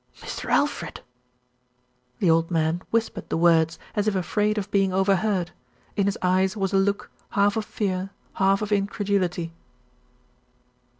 "Mr. Alfred!" The old man whispered the words as if afraid of being overheard. In his eyes was a look, half of fear, half of incredulity.